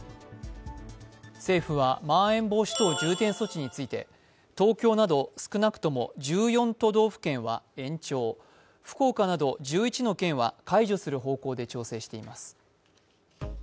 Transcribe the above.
政府は、まん延防止等重点措置について東京など少なくとも１４都道府県は延長、福岡など１１の県は解除する方向で調整しています。